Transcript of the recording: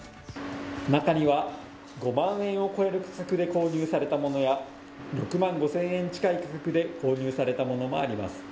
中には５万円を超える価格で購入されたものや６万５０００円近くで購入されたものもあります。